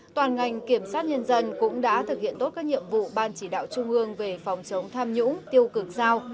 toàn ngành kiểm sát nhân dân cũng đã thực hiện tốt các nhiệm vụ ban chỉ đạo trung ương về phòng chống tham nhũng tiêu cực giao